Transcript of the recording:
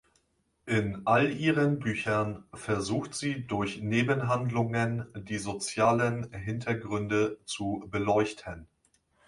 In all ihren Büchern versucht sie durch Nebenhandlungen die sozialen Hintergründe zu beleuchten.